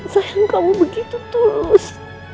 sayang kamu begitu tulus